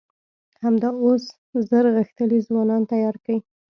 همدا اوس زر غښتلي ځوانان تيار کئ!